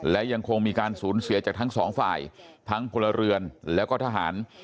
และยังคงมีการสูญเสียจากทั้งสองฝ่ายทั้งพลเรือนแล้วก็ทหาร